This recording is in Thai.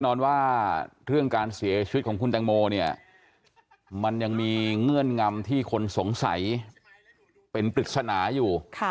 นอนว่าเรื่องการเสียชีวิตของคุณแตงโมเนี่ยมันยังมีเงื่อนงำที่คนสงสัยเป็นปริศนาอยู่